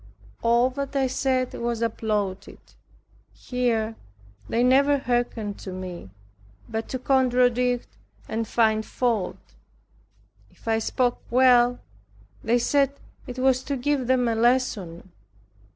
All that I said was applauded. Here they never hearkened to me, but to contradict and find fault. If I spoke well, they said it was to give them a lesson.